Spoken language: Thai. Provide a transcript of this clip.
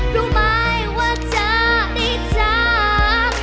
รู้ไหมว่าเธอได้จาก